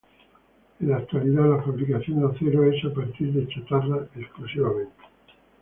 En la actualidad la fabricación de acero es a partir de chatarra exclusivamente.